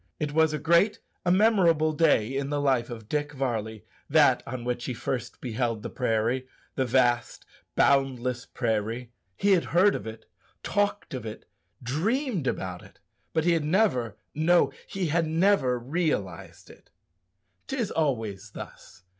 It was a great, a memorable day in the life of Dick Varley, that on which he first beheld the prairie the vast boundless prairie. He had heard of it, talked of it, dreamed about it, but he had never no, he had never realized it. 'Tis always thus.